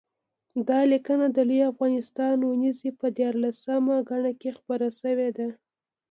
دا لیکنه د لوی افغانستان اوونیزې په یارلسمه ګڼه کې خپره شوې ده